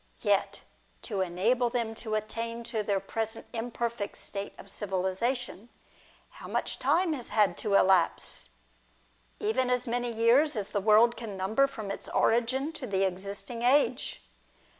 Yet, to enable them to attain to their present imperfect state of civilisation, how much time has had to elapse ? Even as many years as the world can number from its origin to the existing age.